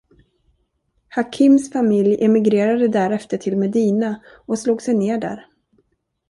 Hakims familj emigrerade därefter till Medina och slog sig ned där.